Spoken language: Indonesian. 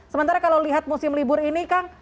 sementara kalau lihat musim libur ini kang